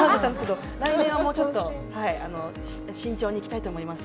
来年はもうちょっと慎重にいきたいと思います。